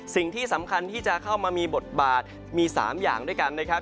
สิ่งที่สำคัญที่จะเข้ามามีบทบาทมี๓อย่างด้วยกันนะครับ